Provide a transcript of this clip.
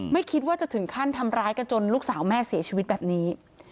ไม่คิดว่าจะถึงขั้นทำร้ายกันจนลูกสาวแม่เสียชีวิตแบบนี้